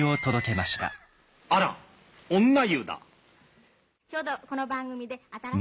あら女湯だ。